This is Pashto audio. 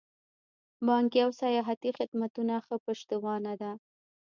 بانکي او سیاحتي خدمتونه ښه پشتوانه ده.